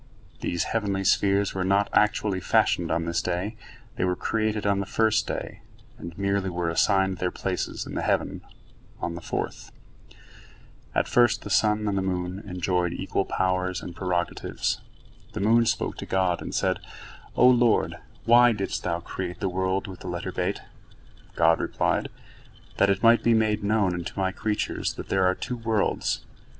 These heavenly spheres were not actually fashioned on this day; they were created on the first day, and merely were assigned their places in the heavens on the fourth. At first the sun and the moon enjoyed equal powers and prerogatives. The moon spoke to God, and said: "O Lord, why didst Thou create the world with the letter Bet?" God replied: "That it might be made known unto My creatures that there are two worlds."